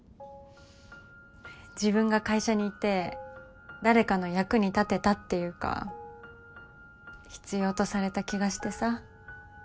自分が会社にいて誰かの役に立てたっていうか必要とされた気がしてさ。